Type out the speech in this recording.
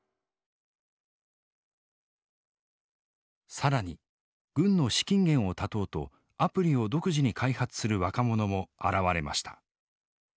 更に軍の資金源を断とうとアプリを独自に開発する若者も現れました。